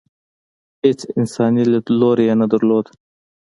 هېڅ انساني لیدلوری یې نه درلود.